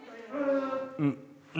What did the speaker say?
うん？